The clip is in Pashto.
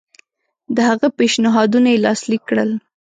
د هغه پېشنهادونه یې لاسلیک کړل.